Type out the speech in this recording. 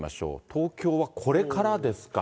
東京はこれからですか。